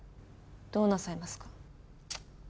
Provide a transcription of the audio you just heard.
どうなさいますか？